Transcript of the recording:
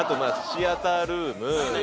シアタールーム？